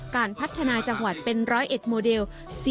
การพัฒนาจังหวัดเป็นร้อยเอ็ดโมเดล๔๑๐๑